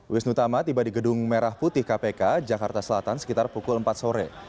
wisnu tama tiba di gedung merah putih kpk jakarta selatan sekitar pukul empat sore